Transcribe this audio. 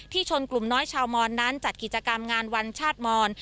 ชนกลุ่มน้อยชาวมอนนั้นจัดกิจกรรมงานวันชาติมอน